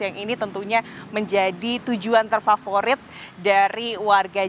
yang ini tentunya menjadi tujuan terfavorit dari warga jakarta